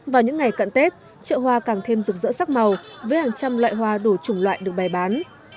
vào những ngày cận tết chợ hoa càng thêm rực rỡ sắc màu với hàng trăm loại hoa đủ chủng loại được bày bán